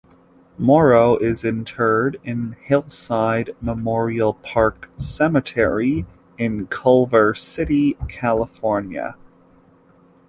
Morrow is interred in Hillside Memorial Park Cemetery in Culver City, California.